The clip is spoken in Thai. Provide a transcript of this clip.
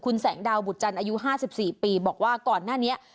แสงดาวบุตรจันทร์อายุ๕๔ปีบอกว่าก่อนหน้านี้